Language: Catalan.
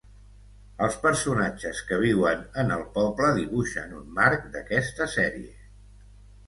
Els personatges que viuen en el poble dibuixen un marc d'aquesta sèrie.